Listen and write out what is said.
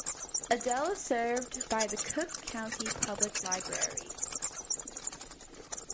Adel is served by the Cook County Public Library.